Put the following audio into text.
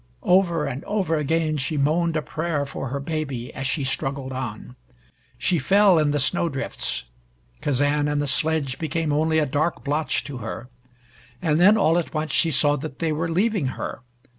Over and over again she moaned a prayer for her baby as she struggled on. She fell in the snow drifts. Kazan and the sledge became only a dark blotch to her. And then, all at once, she saw that they were leaving her.